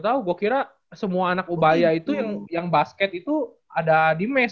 baru tau gua kira semua anak ubaya itu yang basket itu ada di mes